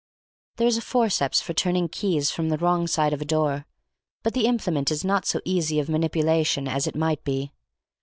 There is a forceps for turning keys from the wrong side of the door, but the implement is not so easy of manipulation as it might be.